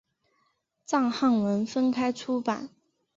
藏汉文分开出版。